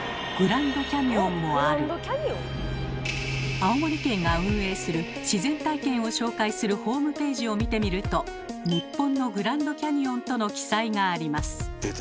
青森県が運営する自然体験を紹介するホームページを見てみると「日本のグランドキャニオン」との記載があります。